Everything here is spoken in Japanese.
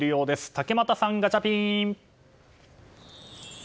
竹俣さん、ガチャピン！